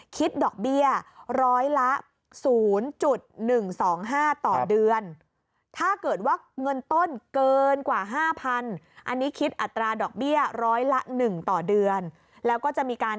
คิดดอกเบี้ย๑๐๐ละ๐๑๒๕ต่อเดือน